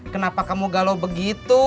kenapa kamu galau begitu